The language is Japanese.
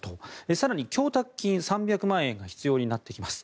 更に、供託金３００万円が必要になってきます。